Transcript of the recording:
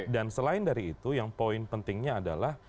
dan selain dari itu yang poin pentingnya adalah